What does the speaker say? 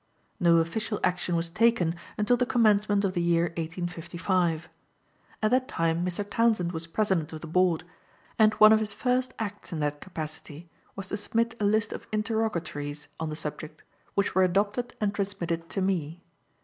No official action was taken until the commencement of the year 1855. At that time Mr. Townsend was President of the Board, and one of his first acts in that capacity was to submit a list of interrogatories on the subject, which were adopted and transmitted to me.